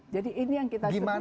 jadi ini yang kita sediakan